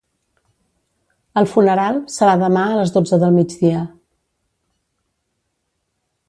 El funeral serà demà a les dotze del migdia.